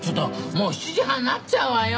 もう７時半になっちゃうわよ。